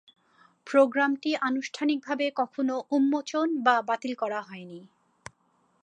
প্রোগ্রামটি আনুষ্ঠানিকভাবে কখনো উন্মোচন বা বাতিল করা হয়নি।